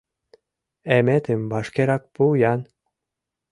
— «Эметым» вашкерак пу-ян.